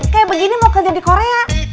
kayak begini mau kerja di korea